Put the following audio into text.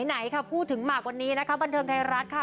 ไหนค่ะพูดถึงหมากวันนี้นะคะบันเทิงไทยรัฐค่ะ